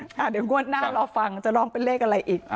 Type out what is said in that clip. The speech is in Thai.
เดี๋ยวงวดหน้ารอฟังจะร้องเป็นเลขอะไรอีก